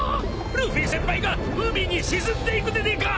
ルフィ先輩が海に沈んでいくでねえか！］